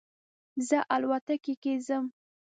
زه الوتکې کې ځم